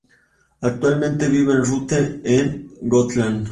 Actualmente vive en Rute, en Gotland.